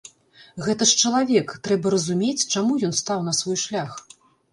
Гэта ж чалавек, трэба разумець, чаму ён стаў на свой шлях.